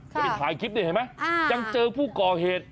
จะไปถ่ายคลิปนี่เห็นไหมยังเจอผู้ก่อเหตุ